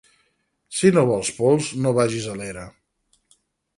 Si no vols pols no vagis a l'era